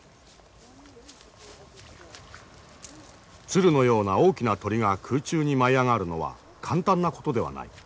鶴のような大きな鳥が空中に舞い上がるのは簡単なことではない。